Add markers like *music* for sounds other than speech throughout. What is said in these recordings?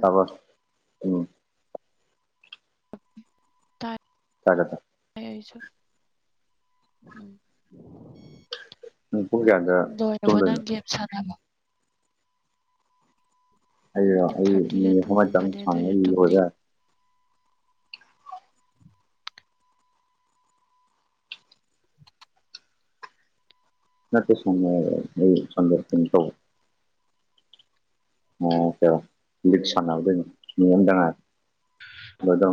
ꯇꯥꯕ ꯎꯝ ꯇ ꯇꯒꯦꯗ ꯍꯥꯏꯁꯨ ꯎꯝ ꯅꯪ ꯄꯨꯡ ꯀꯌꯥꯗ ꯂꯣꯏꯔꯕꯣ ꯅꯪ ꯇꯨꯝꯗꯣꯏꯅꯣ ꯒꯦꯝ ꯁꯥꯟꯅꯕ ꯑꯩ ꯄꯨꯡ ꯇꯦꯟ ꯑꯩ ꯃꯤ ꯊꯥꯔꯇꯤꯗ ꯑꯃꯃ ꯆꯪ ꯇꯨꯝꯕꯅꯦ ꯑꯗꯨꯏꯁꯨ ꯁꯥꯡꯉꯒꯤ ꯇꯨꯝꯅꯤꯡ ꯑꯣꯖ ꯅꯠꯇꯦ ꯁꯪꯉ ꯑꯩ ꯁꯟꯗꯔꯁꯤ ꯇꯧꯕ ꯑꯣ ꯀꯔ ꯎꯝ ꯁꯥꯟꯅꯕ ꯑꯗꯨ ꯅꯣꯡꯅꯗꯉ ꯃꯗꯥ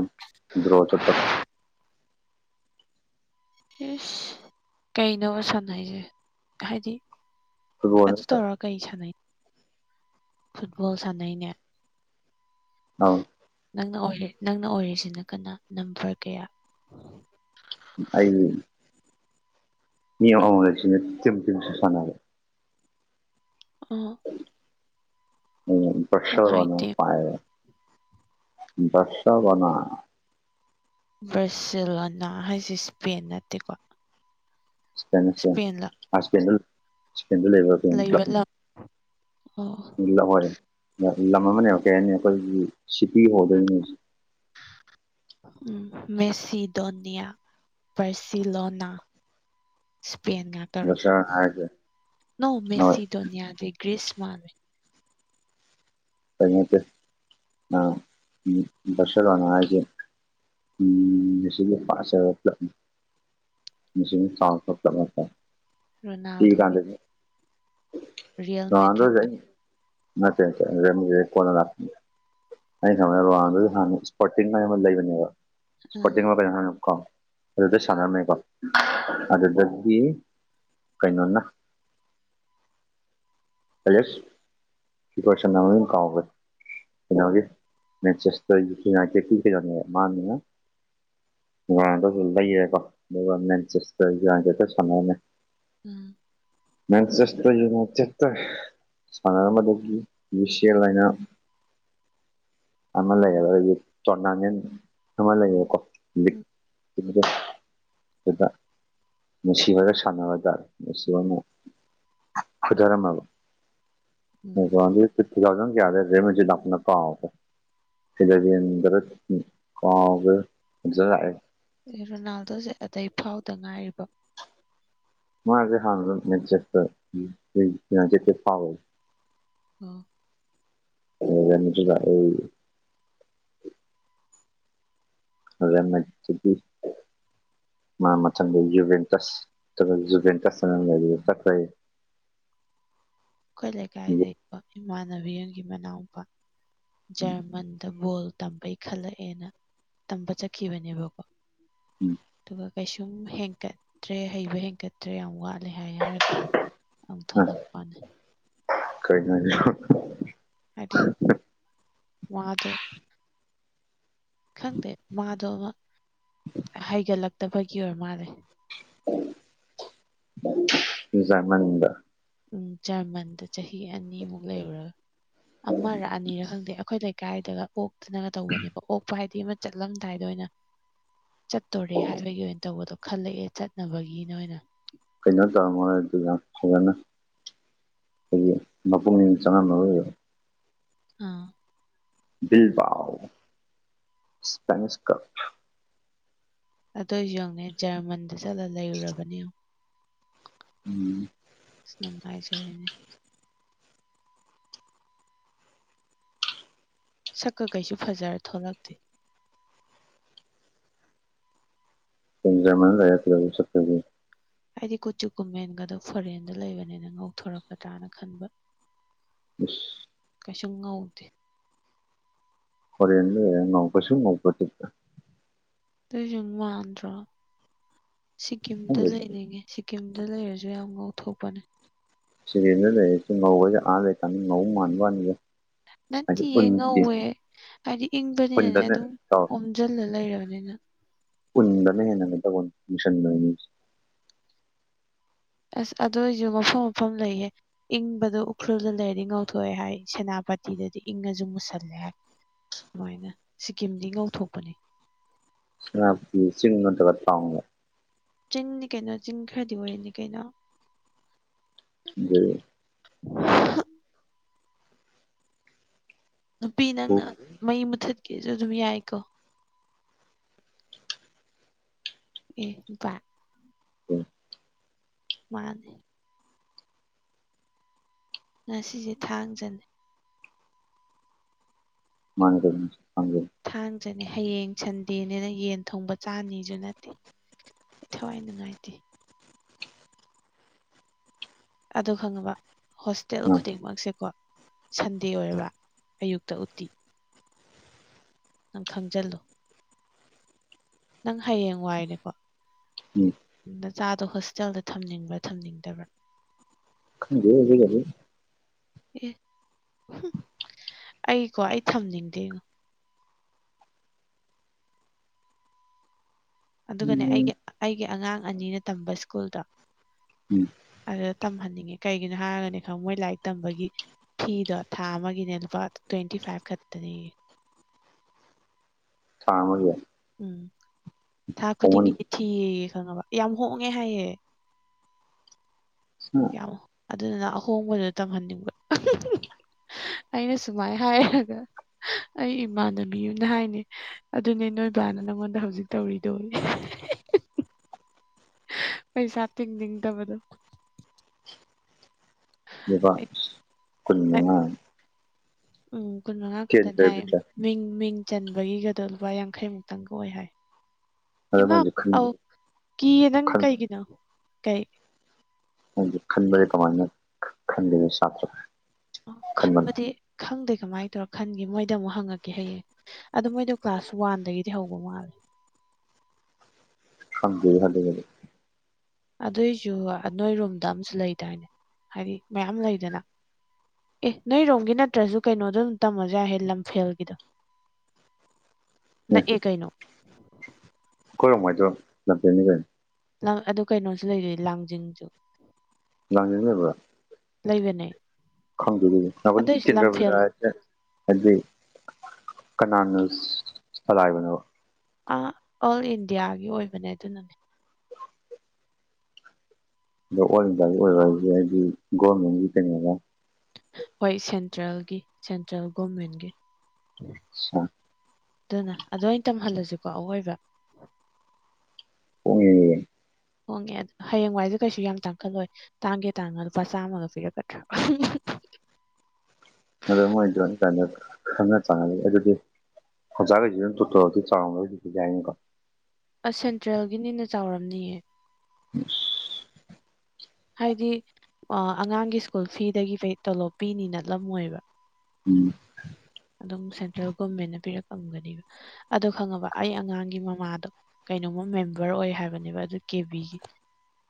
꯭ꯔꯣ ꯆꯄ ꯌꯦꯁ ꯀꯩꯅꯣꯕ ꯁꯥꯟꯅ ꯍꯥꯏꯁꯦ ꯍꯥꯏꯗꯤ ꯐꯨꯠꯕꯣꯜ ꯑꯗꯨ ꯇꯧꯔ ꯀꯩ ꯁꯥꯟꯅꯩ ꯐꯨꯠꯕꯣꯜ ꯁꯥꯟꯅꯩꯅꯦ ꯍꯥꯎ ꯅꯪꯅ ꯑꯣꯏꯔꯤ ꯅꯪꯅ ꯑꯣꯏꯔꯤꯁꯤꯅ ꯀꯅꯥ ꯅꯝꯕꯔ ꯀꯌꯥ ꯑꯩ ꯃꯤ ꯑꯃꯁꯤꯝꯁꯨ ꯁꯥꯟꯔꯦ ꯑ ꯀꯅꯥ ꯎꯁꯔ ꯋꯥꯅꯦ ꯑꯥꯏꯇꯦꯝ ꯐ *unintelligible* ꯁꯥꯕꯅ ꯕ꯭ꯔꯖꯤꯂꯣꯅꯥ ꯍꯥꯏꯁꯦ ꯏꯁꯄꯦꯟ ꯅꯠꯇꯦꯀꯣ ꯏꯁꯄꯦꯟꯅꯩ ꯏꯁꯄꯦꯟꯂ ꯏꯁꯄꯦꯟ ꯁꯀꯦꯟꯜ ꯂꯩꯕ ꯀꯩꯅꯣ ꯂꯩꯕ ꯂꯝ ꯑꯣ ꯑꯣꯏ ꯂꯝ ꯑꯃꯅꯦꯕ ꯀꯩ ꯍꯥꯏꯅꯤ ꯑꯩꯈꯣꯏꯒꯤ ꯁꯤꯇꯤ ꯍꯣꯗꯣꯏꯅꯦ *unintelligible* ꯎꯝ ꯃꯦꯁꯤꯗꯣꯅꯤꯌꯥ ꯄꯥꯔꯁꯤꯂꯣꯅꯥ ꯏꯁꯄꯦꯟ ꯉꯥꯛꯇꯔꯣ ꯕꯔꯁꯦꯂꯣꯅꯥ ꯍꯥꯏꯔꯤꯁꯦ ꯅꯣ ꯍꯣꯏ ꯃꯦꯁꯤ ꯗꯣꯅꯤꯌꯥꯗ ꯒ꯭ꯔꯤꯁ ꯃꯥꯜꯂꯦ ꯀꯩꯅꯛꯇꯦ ꯑ ꯎꯝ ꯐ꯭ꯔꯁꯔ ꯋꯥꯅ ꯍꯥꯏꯏꯖꯦ ꯎꯝ ꯐ ꯍꯥꯏ *unintelligible* ꯔꯣꯅꯥꯜꯗꯣꯒꯤ ꯄꯤꯛꯏꯀꯥꯟꯗꯗꯤ ꯔꯣꯅꯥꯜꯗꯣꯁꯦ ꯑꯩ ꯅꯠꯇꯦ ꯅꯠꯇꯦ ꯑꯗꯨ ꯀꯣꯟꯅ ꯂꯥꯛꯀꯅꯤ ꯑꯩꯅ ꯈꯟꯕꯖ ꯔꯣꯅꯥꯜꯗꯣꯁꯦ ꯍꯥꯟꯅ ꯏꯁꯄꯣꯔꯇꯤꯡ ꯑꯃ ꯂꯩꯕꯅꯦꯕ ꯁꯄꯣꯔꯇꯤꯡ ꯎꯝ ꯀꯩꯅꯣꯝ ꯍꯥꯏꯕꯅꯦ ꯀꯥꯎꯔꯦ ꯑꯗꯨꯗ ꯁꯥꯟꯅꯔꯝꯃꯦꯀꯣ ꯑꯗꯨꯗꯒꯤ ꯀꯩꯅꯣꯅ ꯑꯂꯦꯛ ꯀꯁ ꯃꯃꯤꯡ ꯀꯥꯎꯈ꯭ꯔꯦ ꯀꯩꯅꯣꯒꯤ ꯃꯦꯖꯁ ꯆꯁꯀꯤ ꯌꯨꯅꯥꯏꯇꯦꯠꯀꯤ ꯀꯩꯅꯣꯅꯦꯕ ꯃꯥꯅ ꯔꯣꯅꯥꯜꯗꯣꯁꯦ ꯂꯩꯔꯦꯀꯣ ꯑꯗꯨꯒ ꯃꯦꯟꯁꯇꯦꯛ *unintelligible* ꯁꯥꯟꯅꯔꯝꯃꯦ ꯎꯝ ꯃꯦꯟ ꯆꯦꯁ ꯌꯨꯅꯥꯏꯇꯦꯠꯇ ꯁꯅꯥꯟꯔꯝꯕꯗꯀꯤ ꯃꯤꯁꯦꯜ ꯍꯥꯏꯅ ꯑꯃꯥ ꯂꯩꯌꯦꯕ ꯇꯣꯅꯥꯉꯟ ꯑꯃ ꯂꯩꯌꯦꯕꯀꯣ ꯎꯝ ꯑꯗꯨꯗ ꯁꯥꯟꯅꯕ ꯇꯥꯔꯦ ꯃꯁꯤꯁꯤ ꯍꯣꯏꯅ ꯐꯨꯗꯥꯔꯝꯃꯕ ꯎꯝ ꯃꯨꯕꯥꯜꯕ ꯇꯨꯊꯥꯎꯖꯟ ꯀꯌꯥꯗꯅꯣ ꯀꯥꯎꯈꯔꯦ ꯏꯂꯥꯕꯦꯟꯗꯔ ꯀꯥꯎꯒꯔ ꯐꯖ ꯂꯥꯛꯑꯦ ꯔꯣꯅꯥꯜꯗꯣꯁꯦ ꯑꯗꯩ ꯐꯥꯎꯗ ꯉꯥꯏꯔꯤꯕꯣ ꯃꯥꯁꯦ ꯍꯥꯟ ꯃꯦꯟꯆꯦꯛꯇ ꯈꯣꯏ ꯌꯨꯅꯥꯏꯇꯦꯠꯇ ꯐꯥꯎꯋꯦ ꯑꯣ *unintelligible* ꯑꯗꯨꯅ *unintelligible* ꯃꯥ ꯃꯊꯪꯗꯒꯤ ꯖꯨꯕꯦꯡꯀꯁ ꯖꯨꯕꯦꯡꯀꯁ ꯍꯥꯏ ꯑꯗꯨꯗ ꯆꯠꯈꯔ ꯑꯩꯈꯣꯏ ꯂꯩꯀꯥꯏꯗꯒꯤꯀꯣ ꯏꯃꯥꯟꯅꯕꯤ ꯑꯃꯒꯤ ꯃꯅꯥꯎꯄꯥ ꯖꯔꯃꯟꯗ ꯕꯣꯜ ꯇꯝꯕꯩ ꯈꯜꯂꯛꯑꯦꯅ ꯇꯝꯕ ꯆꯠꯈꯤꯕꯅꯦꯕꯀꯣ ꯎꯝ ꯑꯗꯨꯒ ꯀꯩꯁꯨꯝ ꯍꯦꯟꯀꯠꯇ꯭ꯔꯦ ꯍꯩꯕ ꯍꯦꯟꯀꯠꯇ꯭ꯔꯦ ꯌꯥꯝ ꯋꯥꯠꯂꯦ ꯍꯥꯏ ꯍꯥꯏꯔꯒ ꯑꯃꯨꯛ ꯊꯂꯛꯄꯅꯦ ꯀꯩꯅꯣ ꯍꯥꯏꯁꯤꯕꯨ ꯍꯥꯏꯗꯤ ꯃꯥꯗꯣ ꯈꯪꯗꯦ ꯃꯥꯗꯣ ꯑꯃ ꯍꯩꯒꯠꯂꯛꯇꯕꯒꯤ ꯑꯣꯏ ꯃꯥꯟꯂꯦ ꯖꯔꯃꯟꯗ ꯎꯝ ꯖꯔꯃꯟꯗ ꯆꯍꯤ ꯑꯅꯤꯃꯨꯛ ꯂꯩꯔꯨꯔꯥ ꯑꯃꯔ ꯑꯅꯤꯔ ꯈꯪꯗꯦ ꯑꯩꯈꯣꯏ ꯂꯩꯀꯥꯏꯗꯒ ꯑꯣꯛꯇꯅꯒ ꯇꯧꯕꯅꯦꯕ ꯑꯣꯛꯄ ꯍꯥꯏꯗꯤ ꯑꯃ ꯆꯠꯂꯝꯗꯥꯏꯗ ꯑꯣꯏꯅ ꯆꯠꯇꯣꯔꯦ ꯍꯥꯏꯕꯒꯤ ꯑꯣꯏꯅ ꯇꯧꯕꯗꯣ ꯈꯜꯂꯛꯑꯦ ꯆꯠꯅꯕꯒꯤꯅ ꯑꯣꯏꯅ ꯀꯩꯅꯣ ꯇꯧꯔꯝꯃꯣꯏ ꯑꯗꯨ ꯌꯥꯝ ꯐꯖꯅ ꯑꯩꯈꯣꯏꯒꯤ ꯃꯄꯨꯡꯅꯤꯡ ꯆꯪꯉꯝꯃ ꯑꯣꯏꯕ ꯑꯥ ꯕꯤꯜꯕꯥꯎ ꯏꯁꯄꯦꯅꯤꯁ ꯀꯥꯞ ꯑꯗꯨꯏꯁꯨ ꯌꯦꯡꯪꯅꯦ ꯖꯔꯃꯟꯗ ꯆꯠꯂ ꯂꯩꯔꯨꯔꯕꯅꯦ ꯎꯝ ꯑ ꯅꯨꯡꯉꯥꯏꯖꯔꯤꯅꯦ ꯁꯛꯀ ꯀꯩꯁꯨ ꯐꯖꯔ ꯊꯣꯛꯂꯛꯇꯦ ꯖꯔꯃꯅ ꯂ ꯂ ꯁꯛꯇꯗꯤ ꯍꯥꯏꯗꯤ ꯀꯨꯆꯨ ꯀꯨꯃꯦꯟꯒꯗ ꯐꯣꯔꯦꯟꯗ ꯂꯩꯕꯅꯤꯅ ꯉꯧꯊꯣꯔꯛꯀꯗ꯭ꯔꯥꯅ ꯈꯟꯕ ꯎ ꯀ ꯁꯉ ꯍꯧꯦ ꯍꯔꯤꯦꯟꯟ ꯅꯣꯡ ꯀꯁꯤ ꯃꯀꯇꯤ ꯑꯗꯨꯨꯁꯨ ꯃꯥꯟꯗ꯭ꯔꯣ ꯁꯤꯀꯤꯝꯗ ꯈꯪꯗꯦꯗ ꯂꯩꯅꯤꯡꯉꯦ ꯀꯀꯤꯝꯗ ꯂꯩꯔꯁꯨ ꯌꯥꯝ ꯉꯧꯊꯣꯛꯄꯅꯦ ꯁꯤꯔꯦꯟꯗ ꯂꯩꯔꯁꯤ ꯉꯧꯕꯁ ꯑꯥ ꯂꯩꯀꯥꯟꯅꯤ ꯉꯧ ꯃꯥꯟꯕ ꯋꯥꯅꯤꯗ ꯍꯥꯏꯗꯤ ꯅꯠꯇꯦꯌꯦ ꯎꯟꯗꯤ ꯉꯧꯋꯦ ꯍꯥꯏꯗꯤ ꯏꯪꯕꯅꯤꯅꯅꯦ ꯎꯟꯗꯅ ꯑꯗꯨꯝ ꯇꯧ ꯑꯣꯣꯝꯖꯤꯜꯂ ꯂꯩꯔꯕꯅꯤꯅ ꯄꯨꯟꯕꯅ ꯍꯦꯟꯅꯒ ꯇꯧꯕꯁꯟꯕꯣꯏꯅꯤ ꯑꯁ ꯑꯗꯨ ꯑꯣꯏꯁꯨ ꯃꯐꯝ ꯃꯐꯝ ꯂꯩꯌꯦ ꯏꯪꯕꯗꯣ ꯎꯈ꯭ꯔꯨꯜꯗ ꯂꯩꯔꯗꯤ ꯉꯧꯊꯣꯛꯑꯦ ꯍꯥꯏ ꯁꯦꯅꯥꯄꯇꯤꯗꯗꯤ ꯏꯪꯉꯁꯨ ꯃꯨꯁꯜꯂꯦ ꯍꯥꯏ ꯑꯗꯨꯃꯥꯏꯅ ꯁꯤꯀꯤꯝꯗꯤ ꯉꯧꯊꯣꯛꯄꯅꯤ ꯑ ꯁꯤꯅꯣꯇ ꯀꯄ ꯆꯤꯡꯅꯤ ꯀꯩꯅꯣ ꯆꯤꯡ ꯈꯔꯗꯤ ꯑꯣꯏꯔꯅꯤ ꯀꯩꯅꯣ ꯑꯗꯨꯒ ꯅꯨꯄꯤ ꯅꯪꯅ ꯃꯩ ꯃꯨꯊꯠꯀꯦꯁꯨ ꯑꯗꯨꯝ ꯌꯥꯏꯀꯣ ꯑꯦ ꯎꯝ ꯃꯥꯅꯦ ꯉ ꯁꯤꯁꯦ ꯊꯥꯡꯖꯅꯤ ꯃꯥꯅꯤ ꯊꯥꯡꯖꯅꯦ ꯍꯌꯦꯡ ꯁꯟꯗꯦꯅꯦꯅ ꯌꯦꯟ ꯊꯣꯡꯕ ꯆꯥꯅꯤꯁꯨ ꯅꯠꯇꯦ ꯑꯩ ꯊꯋꯥꯏ ꯅꯨꯡꯉꯥꯏꯇꯦ ꯑꯗꯨ ꯈꯪꯉꯕ ꯍꯣꯁꯇꯦꯜ ꯈꯨꯗꯤꯡꯃꯛꯁꯦꯀꯣ ꯁꯟꯗꯦ ꯑꯣꯏꯔꯕ ꯑꯌꯨꯛꯇ ꯎꯠꯇꯤ ꯅꯪ ꯈꯪꯖꯜꯂꯨ ꯅꯪ ꯍꯌꯦꯡ ꯋꯥꯏꯅꯦꯀꯣ ꯎꯝ ꯅꯆꯥꯗꯣ ꯍꯣꯁꯇꯦꯜꯗ ꯊꯝꯅꯤꯡꯕ꯭ꯔꯥ ꯊꯝꯅꯤꯡꯗꯕ꯭ꯔꯥ ꯈꯪꯗꯦ ꯑꯦ ꯎ ꯑꯩꯀꯣ ꯑꯩ ꯊꯝꯅꯤꯡꯗꯦꯣ ꯑꯗꯨꯒꯅꯦ ꯎꯝ ꯑꯩꯒꯤ ꯑꯩꯒꯤ ꯑꯉꯥꯡ ꯑꯅꯤꯅ ꯇꯝꯕ ꯁ꯭ꯀꯨꯜꯗꯣ ꯎꯝ ꯑꯗꯨꯗ ꯇꯝꯍꯟꯅꯤꯡꯉꯦ ꯀꯩꯒꯤꯅꯣ ꯍꯥꯏꯔꯒꯅꯦ ꯈꯪꯉ ꯃꯣꯏ ꯂꯥꯏꯔꯤꯛ ꯇꯝꯕꯒꯤ ꯐꯤꯗꯣ ꯊꯥ ꯑꯃꯒꯤꯅꯦ ꯂꯨꯄꯥ ꯇ꯭ꯋꯦꯟꯇꯤ ꯐꯥꯏꯚ ꯈꯛꯇꯅꯤ ꯊꯥꯡꯃ ꯎꯝ ꯊꯥ ꯈꯨꯗꯤꯡꯒꯤꯗꯤ ꯊꯤꯌꯦ ꯈꯪꯉꯕ ꯌꯥꯝ ꯍꯣꯡꯉꯦ ꯍꯥꯏꯌꯦꯦ ꯌꯥꯝꯃꯣ ꯑꯗꯨꯗꯨꯅ ꯑꯍꯣꯡꯕꯗꯨꯗ ꯇꯪꯍꯟꯅꯤꯡꯕ ꯑꯩꯅ ꯁꯨꯃꯥꯏ ꯍꯥꯏꯒ ꯑꯩ ꯏꯃꯥꯟꯅꯕꯤ ꯑꯃꯅ ꯍꯥꯏꯅꯤ ꯑꯗꯨꯅꯦ ꯅꯣꯏꯕꯥꯅ ꯅꯪꯉꯣꯟꯗ ꯍꯧꯖꯤꯛ ꯇꯧꯔꯤꯗꯣꯏ ꯄꯩꯁꯥ ꯇꯤꯡꯅꯤꯡꯗꯕꯗꯣ ꯄꯥ ꯑꯩ ꯀꯜꯅꯨꯡꯉ ꯎꯝ ꯀꯨꯟ ꯃꯉꯥ ꯈꯛꯇꯅꯤ ꯍꯥꯏ ꯂꯩꯕꯁꯦ ꯃꯤꯡ ꯃꯤꯡ ꯆꯟꯕꯒꯤꯒꯗꯣ ꯂꯨꯄꯥ ꯌꯥꯡꯈꯩ ꯃꯨꯛꯇꯪꯒ ꯑꯣꯏ ꯍꯥꯏ ꯑꯗ ꯏꯃꯥ ꯃꯣꯏꯁꯦ ꯈꯟꯕ ꯀꯤꯌꯦ ꯅꯪ ꯈꯟꯕ ꯀꯩꯒꯤꯅꯣ ꯀꯩ ꯈꯟꯕꯔꯦ ꯀꯃꯥꯏꯅ ꯈꯟꯗ ꯁꯥꯇ ꯑꯣ ꯈꯟꯕꯗꯤ ꯈꯪꯗꯦ ꯀꯃꯥꯏꯅ ꯇꯧꯔꯣ ꯈꯟꯒꯦ ꯃꯣꯏꯗ ꯑꯃꯨꯛ ꯍꯪꯉꯛꯀꯦ ꯍꯌꯦꯡ ꯑꯗ ꯃꯣꯏꯗꯣ ꯀ꯭ꯂꯥꯁ ꯋꯥꯟꯗꯒꯤꯗꯤ ꯍꯧꯕ ꯃꯥꯜꯂꯦ ꯊꯝꯗ ꯍꯥꯏ ꯀꯦ ꯑꯗꯨꯏꯁꯨ ꯅꯣꯏ ꯔꯨꯝꯗ ꯑꯃꯁꯨ ꯂꯩꯗꯥꯏꯅꯦ ꯍꯥꯏꯗꯤ ꯃꯌꯥꯝ ꯂꯩꯗꯅ ꯑꯦ ꯅꯣꯏꯔꯣꯝꯒꯤ ꯅꯠꯇ꯭ꯔꯁꯨ ꯀꯩꯅꯣꯗꯣ ꯑꯗꯨꯝ ꯇꯝꯃꯁꯨ ꯌꯥꯏꯍꯦ ꯂꯝꯐꯦꯜꯒꯤꯗꯣ ꯅ ꯑꯦ ꯀꯥꯏꯩꯅꯣ ꯀꯔꯝ ꯍꯥꯏꯗꯨꯣ ꯅꯇꯦꯅꯤ ꯀ ꯑꯗꯨ ꯀꯩꯅꯣꯁꯨ ꯂꯩꯔꯤ ꯂꯥꯡꯖꯤꯡꯁꯨ ꯂꯥꯡꯖꯤꯡ ꯂꯩꯕ꯭ꯔꯣ ꯂꯩꯕꯅꯦ ꯈꯪꯗꯦ ꯑꯗꯨꯗꯤ ꯅꯕꯥꯅꯤ ꯑꯗꯨꯏꯁꯨ ꯂꯝꯐꯦꯜ *unintelligible* ꯍꯥꯏꯗꯤ ꯀꯅꯥꯅ ꯆꯂꯥꯏꯕꯅꯣ ꯑ ꯑꯣꯜ ꯏꯟꯗꯤꯌꯥꯒꯤ ꯑꯣꯏꯕꯅꯦ ꯑꯗꯨꯅꯅꯦ ꯑꯗꯣ ꯑꯣꯜ ꯏꯟꯗꯤꯌꯥꯒꯤ ꯑꯣꯏꯕ ꯍꯥꯏꯁꯦ ꯍꯥꯏꯗꯤ ꯒꯣꯔꯃꯦꯟꯒꯤ ꯀꯩꯅꯣꫪ ꯍꯣꯏ ꯁꯦꯟꯇ꯭ꯔꯦꯜꯒꯤ ꯁꯦꯟꯇ꯭ꯔꯦꯜ ꯒꯣꯔꯃꯦꯟꯒꯤ ꯁꯥ ꯑꯗꯨꯅ ꯑꯗꯣ ꯑꯩ ꯇꯝꯍꯜꯂꯁꯤꯀꯣ ꯑꯋꯣꯏꯕ ꯑꯣꯡ ꯌꯦꯡꯒꯦ ꯍꯣꯡꯉꯦ ꯑ ꯍꯌꯦꯡꯋꯥꯏꯁꯦ ꯀꯩꯁꯨ ꯌꯥꯝ ꯇꯥꯡꯈꯠꯂꯣꯏ ꯇꯥꯡꯒꯦ ꯇꯥꯡꯉ ꯂꯨꯄꯥ ꯆꯥꯝꯃꯒ ꯄꯤꯔꯛꯀꯗ꯭ꯔꯥ ꯑꯗꯣ ꯃꯣꯏꯗꯣꯏꯅ ꯀꯥꯟꯗ ꯈꯪꯅ ꯆꯥꯅꯕꯅꯤ ꯑꯗꯨꯗꯤ ꯑꯣꯖꯥꯒꯩꯖꯤꯅ ꯗꯨ ꯇꯧꯔꯗꯤ ꯆꯥꯎꯔ ꯌꯥꯏꯅꯦꯀꯣ ꯑꯁ ꯁꯦꯟꯇ꯭ꯔꯦꯜꯒꯤꯅꯤꯅ ꯆꯥꯎꯔꯝꯅꯤꯌꯦ *unintelligible* ꯍꯥꯏꯗꯤ ꯑꯉꯥꯡꯒꯤ ꯁ꯭ꯀꯨꯜ ꯐꯤꯗꯒꯤ ꯐꯩ ꯇꯣꯂꯣꯞ ꯄꯤꯅꯤ ꯅꯠꯂꯝꯃꯣꯏꯕ *inaudible* ꯑꯗꯨꯝ ꯁꯦꯟꯇ꯭ꯔꯦꯜ ꯒꯣꯃꯦꯟꯅ ꯄꯤꯔꯛꯑꯂꯝꯝꯒꯅꯦꯕ ꯑꯗꯣ ꯈꯪꯉꯕ ꯑꯩ ꯑꯉꯥꯡꯒꯤ ꯃꯃꯥꯗꯣ ꯀꯩꯅꯣꯝꯃ ꯃꯦꯝꯕꯔ ꯑꯣꯏ ꯍꯥꯏꯕꯅꯦꯕ ꯑꯗꯨ ꯀꯦꯕꯤꯒꯤ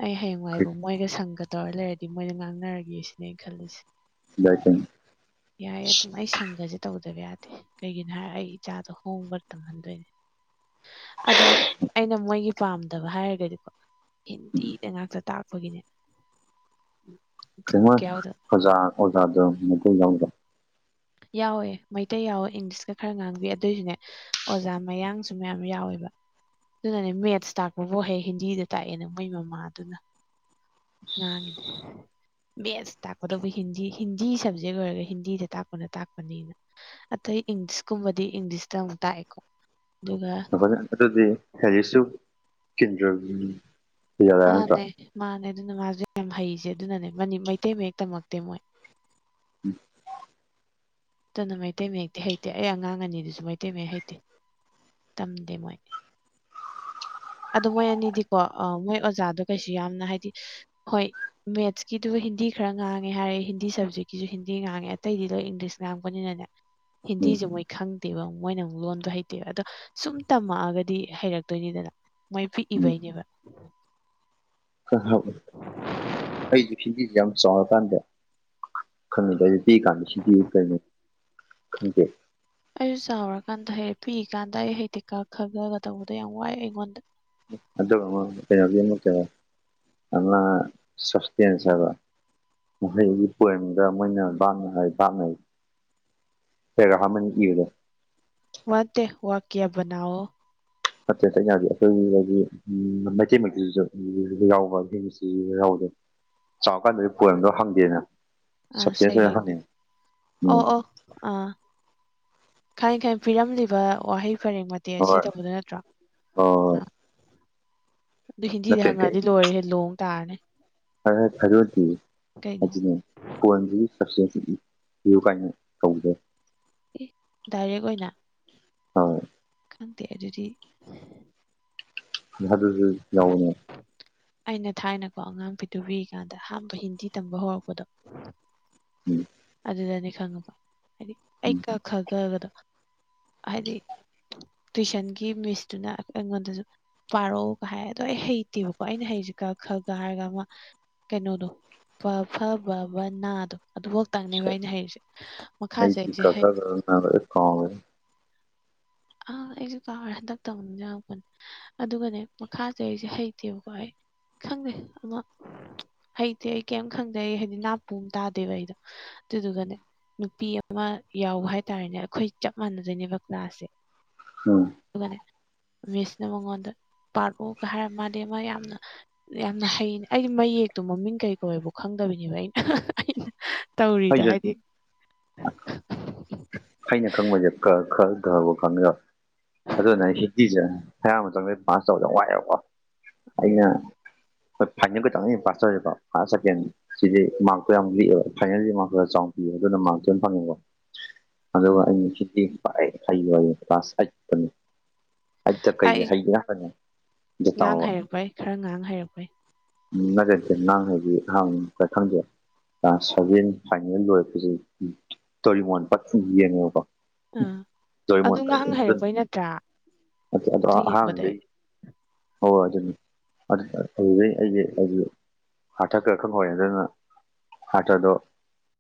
ꯑꯩ ꯍꯌꯦꯡꯋꯥꯏꯕꯧ ꯃꯣꯏꯒ ꯁꯪꯒ ꯇꯧꯔ ꯂꯩꯔꯗꯤ ꯃꯣꯏꯒ ꯉꯥꯡꯅꯔꯒꯦ ꯁꯤꯅꯦ ꯑꯩꯅ ꯈꯜꯂꯤꯁꯦ ꯌꯥꯏꯌꯦ ꯑꯗꯨꯝ ꯑꯩ ꯁꯪꯒꯁꯦ ꯇꯧꯗꯕ ꯌꯥꯗꯦ ꯀꯩꯒꯤꯅꯣ ꯍꯥꯏꯔ ꯑꯩ ꯏꯆꯥꯗꯣ ꯍꯣꯡꯕꯔ ꯇꯝꯍꯟꯗꯣꯏꯅꯦ ꯑꯗꯣ ꯑꯩꯅ ꯃꯣꯏꯒꯤ ꯄꯥꯝꯗꯕ ꯍꯥꯏꯔꯒꯗꯤꯀꯣ ꯍꯤꯟꯗꯤꯗ ꯉꯥꯛꯇ ꯇꯥꯛꯄꯒꯤꯅꯦ ꯐꯦꯡꯃ ꯕꯤꯠꯀ ꯌꯥꯎꯗꯕ ꯑꯣꯖꯥ ꯑꯣꯖꯥꯗ ꯃꯩꯇꯩ ꯌꯥꯎꯗ ꯌꯥꯎꯋꯦ ꯃꯩꯇꯩ ꯌꯥꯎꯋꯦ ꯏꯪꯂꯤꯁꯀ ꯈꯔ ꯉꯥꯡꯕꯤ ꯑꯗꯨꯏꯖꯨꯅꯦ ꯑꯣꯖꯥ ꯃꯌꯥꯡꯁꯨ ꯃꯌꯥꯝ ꯌꯥꯎꯋꯦꯕ ꯑꯗꯨꯅꯅꯦ ꯃꯦꯠꯁ ꯇꯥꯛꯄꯕꯨ ꯍꯩ ꯍꯤꯟꯗꯤꯗ ꯇꯥꯛꯑꯦ ꯅ ꯃꯣꯏ ꯃꯃꯥꯗꯨꯅ ꯉꯥꯡꯉꯤꯅꯦ ꯃꯦꯠꯁ ꯇꯥꯛꯀꯇꯕꯨ ꯍꯤꯟꯗꯤ ꯍꯤꯟꯗꯤ ꯁꯕꯖꯦꯛ ꯑꯣꯏꯔꯒ ꯍꯤꯟꯗꯤꯗ ꯇꯥꯛꯄꯅ ꯇꯥꯛꯄꯅꯤꯅ ꯑꯇꯩ ꯏꯪꯂꯤꯁꯀꯨꯝꯕꯗꯤ ꯏꯪꯂꯤꯁꯇ ꯑꯃꯨꯛ ꯇꯥꯛꯑꯦꯀꯣ ꯑꯗꯨꯒ ꯉꯥꯏꯈꯣꯅꯦ ꯑꯗꯨꯗꯤ ꯑꯦꯔꯤꯁꯨ ꯀꯤꯟꯗ꯭ꯔꯝ ꯃꯥꯅꯦ ꯃꯥꯅꯦ ꯑꯗꯨꯅ ꯃꯥꯁꯨ ꯌꯥꯝ ꯍꯩꯁꯦ ꯑꯗꯨꯅꯅꯦ ꯃꯩꯇꯩ ꯃꯌꯦꯛꯛ ꯇꯝꯃꯛꯇꯦ ꯃꯣꯏ *unintelligible* ꯗꯨꯅ ꯃꯩꯇꯩ ꯃꯌꯦꯛꯛꯇꯤ ꯍꯩꯇꯦ ꯑꯩ ꯑꯉꯥꯡ ꯑꯅꯤꯗꯨꯁꯨ ꯃꯩꯇꯩ ꯃꯌꯦꯛ ꯍꯩꯇꯦ ꯇꯝꯗꯦ ꯃꯣꯏ ꯑꯗꯣ ꯃꯣꯏ ꯑꯅꯤꯗꯤꯀꯣ ꯃꯣꯏ ꯑꯣꯖꯥꯗꯣ ꯀꯩꯁꯨ ꯌꯥꯝꯅ ꯍꯥꯏꯗꯤ ꯍꯣꯏ ꯃꯦꯠꯁꯀꯤꯗꯨꯕꯨ ꯍꯤꯟꯗꯤ ꯈꯔ ꯉꯥꯡꯉꯦ ꯍꯥꯏꯔꯦ ꯍꯤꯟꯗꯤ ꯁꯕꯖꯦꯛꯀꯤꯁꯨ ꯍꯤꯟꯗꯤ ꯉꯥꯡꯉꯦ ꯑꯇꯩꯗꯤ ꯂꯣꯏ ꯏꯪꯂꯤꯁ ꯉꯥꯡꯕꯅꯤꯅꯅꯦ ꯎꯝ ꯍꯤꯟꯗꯤꯁꯦ ꯃꯣꯏ ꯈꯪꯗꯦꯕ ꯃꯣꯏꯅ ꯑꯃꯨꯛ ꯂꯣꯟꯗꯣ ꯍꯩꯇꯦꯕ ꯑꯗꯣ ꯁꯨꯝ ꯇꯝꯃꯛꯑꯒꯗꯤ ꯍꯩꯔꯛꯇꯣꯏꯅꯤꯗꯅ ꯃꯣꯏ ꯄꯤꯛꯏꯕꯩꯅꯦꯕ ꯑꯩꯁꯦ ꯍꯤꯟꯗꯤꯁꯦ ꯌꯥꯝ ꯆꯥꯎꯉꯀꯥꯟꯗ ꯈꯪꯅꯤꯡꯗꯗꯤ ꯄꯤꯛ ꯀꯥꯟꯗ ꯍꯤꯟꯗꯤꯁꯦ ꯀꯩꯅꯣ ꯈꯪꯗꯦ ꯑꯩꯁꯨ ꯆꯥꯎꯔꯀꯥꯟꯗ ꯍꯩ ꯄꯤꯛ ꯀꯥꯟꯗ ꯑꯩ ꯍꯥꯏꯩꯗꯤ ꯀ ꯈ ꯒ ꯒ ꯇꯧꯕꯗ ꯌꯥꯝ ꯋꯥꯏꯑꯦ ꯑꯩꯉꯣꯟꯗ ꯑꯗꯨꯃ ꯑꯃꯨꯛ ꯀꯩꯅꯣꯗꯤ ꯑꯃꯨꯛꯀ ꯑꯃ ꯁꯕꯁꯇꯦꯟꯁ ꯍꯥꯏꯕ ꯃꯍꯩꯒꯤ ꯄꯣꯏꯝꯗ ꯃꯣꯏꯅ ꯆꯥꯕ ꯅ ꯍꯥꯏ ꯚꯥꯕ ꯁꯦ ꯔꯍꯃꯟ ꯏꯗ ꯋꯥꯠꯇꯦ ꯋꯥꯀꯤꯌꯥꯕꯅꯥꯎ ꯅꯠꯇꯦꯗ ꯑꯩꯅ ꯍꯥꯏꯗꯤ ꯑꯩꯈꯣꯏꯒꯤꯗꯤ ꯃꯩꯇꯩ ꯃꯌꯦꯛꯇꯖꯨ ꯌꯥꯎꯕ ꯗꯤꯝꯁ ꯇꯖꯨ ꯌꯥꯎꯗꯦ ꯆꯥꯎꯔꯀꯥꯟꯗꯗꯤ ꯄꯣꯏꯝꯗꯣ ꯍꯪꯗꯦꯅ ꯑꯥ ꯁꯕꯁꯇꯦꯟꯁ ꯑꯣꯏꯅ ꯍꯪꯉꯦ ꯁꯩꯔꯦꯡꯗ ꯑꯣ ꯎꯝ ꯑꯣ ꯑꯥ ꯈꯥꯏ ꯈꯥꯏ ꯄꯤꯔꯝꯂꯤꯕ ꯋꯥꯍꯩ ꯄꯔꯦꯡ ꯇꯦ ꯁꯤ ꯍꯣꯏ ꯇꯧꯕꯗ ꯅꯠꯇ꯭ꯔꯣ ꯑꯣ ꯑꯥ ꯑꯗꯨ ꯍꯤꯟꯗꯤꯗ ꯅꯠꯇꯦ ꯍꯪꯉꯗꯤ ꯂꯣꯏꯔꯦ ꯂꯣꯡ ꯇꯥꯔꯅꯤ ꯐꯔ ꯐꯔ ꯑꯣꯏꯗꯤ ꯀꯩꯅꯣ ꯄꯣꯏꯕꯒꯤ ꯆꯠꯁꯦꯌꯨ ꯀꯥꯏꯅ ꯇꯧꯖꯦ ꯗꯥꯏꯔꯦꯛ ꯑꯣꯏꯅ ꯍꯣꯏ ꯈꯪꯗꯦ ꯑꯗꯨꯗꯤ ꯗꯨꯁꯨ ꯌꯥꯎꯅꯦ ꯑꯩꯅ ꯊꯥꯏꯅꯀꯣ ꯑꯉꯥꯡ ꯐꯤꯗꯨꯕꯤ ꯀꯥꯟꯗ ꯑꯍꯝꯕ ꯍꯤꯟꯗꯤ ꯇꯝꯕ ꯍꯧꯔꯛꯄꯗꯣ ꯎꯝ ꯑꯗꯨꯗꯅꯤ ꯈꯪꯉꯕ ꯍꯥꯏꯗꯤ ꯑꯩ ꯎꯝ ꯀꯛ ꯈ ꯈꯒꯗꯣ ꯍꯥꯏꯗꯤ ꯇꯨꯏꯁꯟꯒꯤ ꯃꯤꯁꯇꯨꯅ ꯑꯩꯉꯣꯟꯗꯁꯨ ꯄꯥꯔꯛꯒ ꯍꯥꯏ ꯑꯗꯣ ꯑꯩ ꯍꯩꯇꯦꯕꯀꯣ ꯀ ꯑꯩꯅ ꯍꯩꯁꯤꯀ ꯈꯜꯒ ꯍꯥꯏꯔꯒ ꯑꯃ ꯀꯩꯅꯣꯗꯣ ꯐ ꯐ ꯐꯕ ꯅꯥꯗꯣ ꯑꯗꯨꯐꯧꯛꯇꯪꯅꯦꯕ ꯑꯩꯅ ꯍꯩꯔꯤꯁꯦ ꯑꯩ ꯃꯈꯥꯁꯦ ꯆ ꯑꯩꯁꯦ ꯍꯩ ꯀꯥ ꯀ ꯀꯦ ꯑꯥ ꯑꯩꯁꯨ ꯀ ꯇꯥꯛ ꯇꯧ ꯑꯗꯨꯒꯅꯦ ꯃꯈꯥꯥꯁꯦ ꯑꯩꯁꯦ ꯍꯩꯇꯦꯕꯀꯣ ꯑꯩ ꯈꯪꯗꯦ ꯑꯃ ꯍꯩꯇꯦ ꯑꯩ ꯀꯩꯝ ꯈꯪꯗꯦ ꯍꯥꯏꯗꯤ ꯅꯥꯄꯨꯝ ꯇꯥꯗꯦꯕ ꯑꯩꯗꯣ ꯑꯗꯨꯗꯨꯒꯅꯦ ꯅꯨꯄꯤ ꯑꯃ ꯌꯥꯎꯕ ꯍꯥꯏꯇꯥꯔꯦꯅꯦ ꯑꯩꯈꯣꯏ ꯆꯞ ꯃꯥꯟꯅꯗꯣꯏꯅꯦꯕ ꯀ꯭ꯂꯥꯁꯁꯦ ꯍ ꯑꯗꯨꯒꯅꯦ ꯃꯤꯁꯅ ꯃꯉꯣꯟꯗ ꯄꯥꯔꯎꯒ ꯍꯥꯏꯔ ꯃꯥꯗꯤ ꯑꯃ ꯌꯥꯝꯅ ꯌꯥꯝꯅ ꯍꯩꯅꯦ ꯑꯩꯒꯤ ꯃꯌꯦꯛꯇꯣ ꯃꯃꯤꯡ ꯀꯩꯀꯧꯋꯕ ꯈꯪꯗꯕꯅꯦꯕ ꯑꯩꯅ ꯑꯩꯅ ꯇꯧꯔꯤꯗ ꯑꯩꯁꯨ ꯍꯥꯏꯗꯤ ꯑꯩꯅ ꯈꯪꯕꯁꯦ ꯈ ꯈꯔ ꯈꯕꯨ ꯈꯪꯉ ꯑꯗꯨꯅ ꯍꯤꯟꯗꯤꯁꯦ ꯍꯌꯥꯝ ꯑꯃ ꯆꯪꯗꯩ ꯄꯥꯁ ꯇꯧꯕꯗ ꯋꯥꯏꯑꯦꯕꯀꯣ ꯎꯝ ꯑꯩꯅ ꯣꯏ ꯐꯥ ꯀ ꯆ ꯄꯥꯁ ꯐꯀ ꯁꯤꯗꯤꯦ ꯃꯥꯔꯛꯛꯇꯣ ꯌꯥꯝ ꯂꯤꯤꯛꯑꯕ ꯐꯥꯏꯅꯦꯜꯜꯂꯤ ꯃꯥꯔꯁꯔ ꯆꯥꯎ ꯄꯤꯕ ꯑꯗꯨꯅ ꯃꯥꯔꯛꯁꯨ ꯑꯗꯨ ꯑꯣꯏꯅ ꯐꯪꯉꯦꯀꯣ ꯑꯗꯨꯒ ꯎꯝ ꯑꯩ ꯉꯅꯨꯡꯁꯤꯗꯤ ꯍꯩꯌꯨ ꯍꯥꯏ ꯀ꯭ꯂꯥꯁ ꯑꯩꯅꯤ ꯑꯖꯤꯇ ꯀꯩ ꯑꯩ ꯍꯥꯏꯒ ꯐꯅ ꯉꯥꯡ ꯍꯩꯔꯛꯄꯩ ꯈꯔ ꯉꯥꯡ ꯍꯩꯔꯛꯄꯩ ꯎꯝ ꯉꯖꯔꯁꯦ ꯅꯪ ꯍꯥꯏꯗꯤ ꯍꯪ ꯊꯪꯖꯦ ꯁꯚꯦꯟ ꯐꯥꯏꯅꯦꯜ ꯂꯣꯏꯔꯛꯄꯁꯦ ꯇꯣꯔꯤꯃꯣꯟ ꯄ ꯌꯦꯡꯉꯦꯕꯀꯣ ꯑꯥ ꯑꯗꯨ ꯉꯥꯡ ꯍꯩꯔꯛꯄꯩ ꯅꯠꯇ꯭ꯔꯥ ꯑꯗꯨ ꯍꯥ ꯌꯦꯡꯕꯗ ꯂꯩ ꯑꯣ ꯑꯗꯨ ꯑꯗꯨ ꯑꯗꯨ ꯑꯗꯨ ꯑꯩꯁꯦ ꯑꯩꯁꯨ ꯑꯊ ꯈ ꯈꯔ ꯍꯗꯅ ꯍꯥꯔꯊꯗꯣ